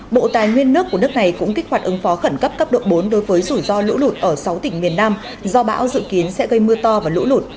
bộ tài nguyên nước của nước này cũng kích hoạt ứng phó khẩn cấp cấp độ bốn đối với rủi ro lũ lụt ở sáu tỉnh miền nam do bão dự kiến sẽ gây mưa to và lũ lụt